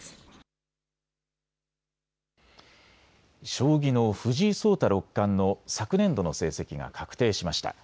将棋の藤井聡太六冠の昨年度の成績が確定しました。